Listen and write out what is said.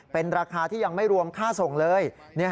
เป็นราคาที่ยังไม่รวมค่าส่งเลย